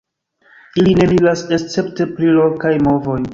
Ili ne migras escepte pri lokaj movoj.